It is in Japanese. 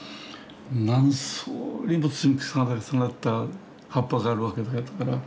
何層にも積み重なった葉っぱがあるわけだから。